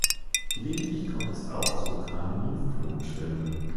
Gelegentlich kommt es auch zu lokalen Lymphknotenschwellungen.